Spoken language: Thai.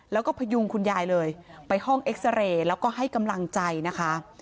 แล้วก็พยุงคุณยายเลยไปห้องเอ็กซาเรย์แล้วก็ให้กำลังใจนะคะ